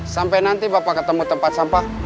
sampai nanti bapak ketemu tempat sampah